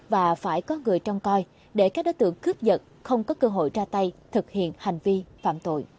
và phải có người trông coi để các đối tượng cướp giật không có cơ hội ra tay thực hiện hành vi phạm tội